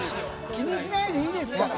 気にしないでいいですから！